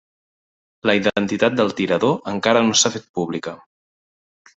La identitat del tirador encara no s'ha fet pública.